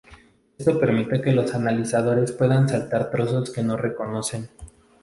Esto permite que los analizadores puedan saltar trozos que no reconocen.